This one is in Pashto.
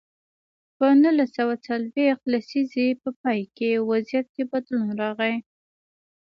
په نولس سوه څلویښت لسیزې په پای کې وضعیت کې بدلون راغی.